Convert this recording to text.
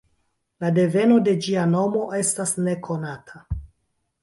La deveno de ĝia nomo estas nekonata.